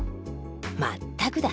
全くだ。